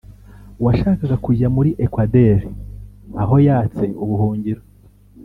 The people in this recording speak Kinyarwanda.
washakaga kujya muri Equadeur aho yatse ubuhungiro